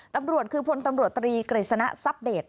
ตำรวจคือพลตำรวจตรีกฤษณะทรัพเดต